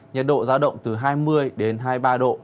nhật độ giá động từ hai mươi đến hai mươi ba độ